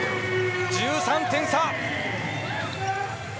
１３点差！